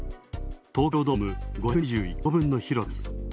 東京ドーム５２１個分の広さです。